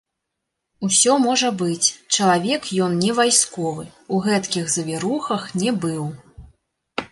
Усё можа быць, чалавек ён не вайсковы, у гэткіх завірухах не быў.